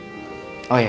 nailah nailah nailah